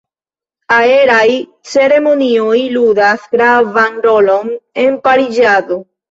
Aeraj ceremonioj ludas gravan rolon en pariĝado.